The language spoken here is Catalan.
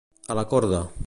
A la corda.